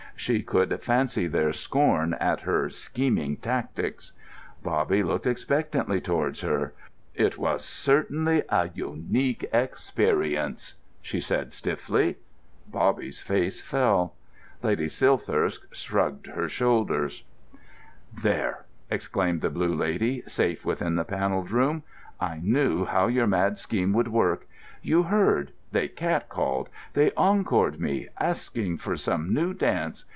She could fancy their scorn at her "scheming tactics." Bobby looked expectantly towards her. "It was certainly a unique experience," she said stiffly. Bobby's face fell. Lady Silthirsk shrugged her shoulders. "There!" exclaimed the Blue Lady, safe within the Panelled Room, "I knew how your mad scheme would work. You heard: they catcalled, they encored me, asked for some new dance.